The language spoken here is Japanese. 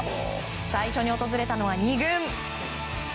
最初に訪れたのは２軍。